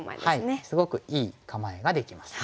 すごくいい構えができますね。